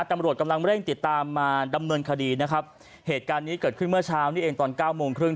ตำรวจกำลังเร่งติดตามมาดำเนินคดีนะครับเหตุการณ์นี้เกิดขึ้นเมื่อเช้านี้เองตอนเก้าโมงครึ่ง